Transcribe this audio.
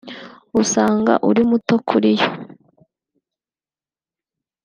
usanga uri muto kuri yo